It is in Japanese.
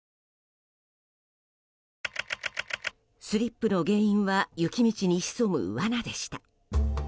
スリップの原因は雪道に潜む罠でした。